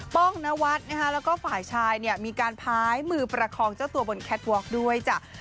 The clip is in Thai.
ป้องนวัดนะคะแล้วก็ฝ่ายชายเนี่ยมีการพ้ายมือประคองเจ้าตัวบนแคทวอคด้วยจ้ะ